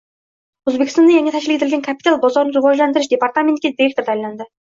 O‘zbekistonda yangi tashkil etilgan Kapital bozorini rivojlantirish departamentiga direktor tayinlandi